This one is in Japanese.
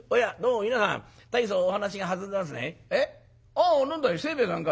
ああ何だい清兵衛さんかい。